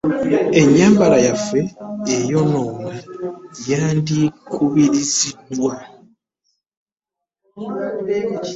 Ennyambala yaffe ey'ennono yandikubiriziddwa .